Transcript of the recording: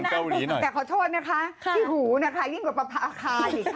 แต่ขอโทษนะคะที่หูนะคะยิ่งกว่าปลาคาอีก